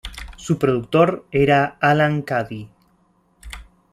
Su productor era Alan Caddy.